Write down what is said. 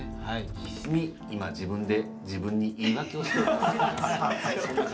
必死に今、自分で自分に言い訳をしております。